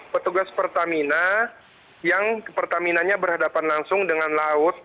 petugas pertamina yang pertaminanya berhadapan langsung dengan laut